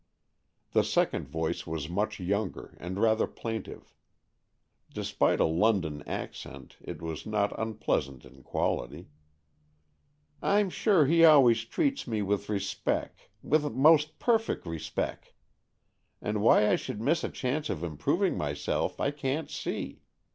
The second voice was much younger, and rather plaintive. Despite a London accent, it was not unpleasant in quality. I'm sure he always treats me with respeck — with most perfeck respeck. And why I should miss a chance of improving myself I can't see.